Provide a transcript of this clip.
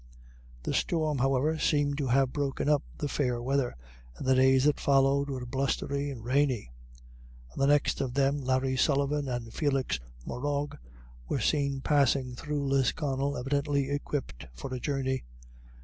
The storm, however, seemed to have broken up the fair weather, and the days that followed it were blustery and rainy. On the next of them Larry Sullivan and Felix Morrough were seen passing through Lisconnel, evidently equipped for a journey.